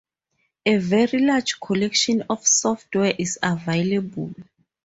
A very large collection of software is available.